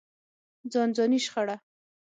ځانځاني شخړه.